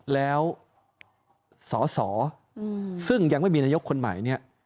แล้วสอสอซึ่งยังไม่มีนายกคนใหม่เนี่ย